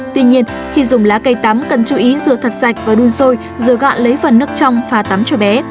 tuy nhiên khi dùng lá cây tắm cần chú ý rửa thật sạch và đun sôi rồi gọn lấy phần nước trong pha tắm cho bé